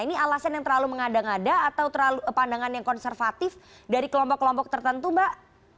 ini alasan yang terlalu mengada ngada atau pandangan yang konservatif dari kelompok kelompok tertentu mbak